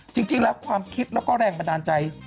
จริงแล้วความคิดแล้วก็แรงบันดาลใจ